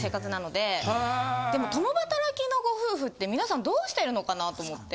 でも共働きのご夫婦って皆さんどうしてるのかなと思って。